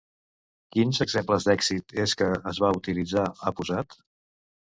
Quins exemples d'èxit en què es va utilitzar ha posat?